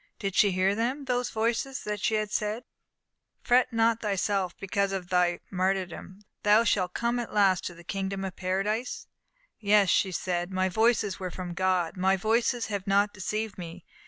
Did she hear them, those voices that had said, "Fret not thyself because of thy martyrdom; thou shalt come at last to the Kingdom of Paradise"? "Yes," she said, "my voices were from God! My voices have not deceived me!"